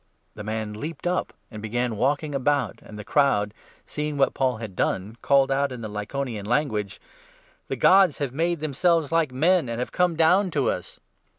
10 The man leaped up, and began walking about, and the n crowd, seeing what Paul had done, called out in the Lycaonian language : "The Gods have made themselves like men and have come down to us."